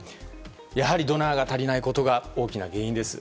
やはりドナーが足りないことが大きな原因です。